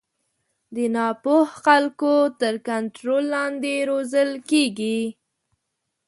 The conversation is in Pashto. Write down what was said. د نا پوه خلکو تر کنټرول لاندې روزل کېږي.